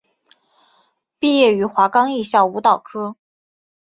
毕业于华冈艺校舞蹈科。